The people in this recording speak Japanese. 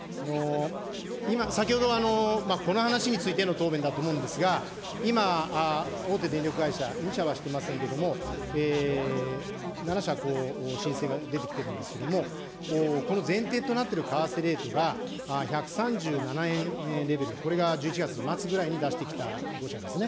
先ほど、この話についての答弁だと思うんですが、今、大手電力会社、２社はしてませんけれども、７社、申請が出てきてるんですけれども、この前提となってる為替レートが１３７円レベル、これが１１月末ぐらいに出してきた５社ですね。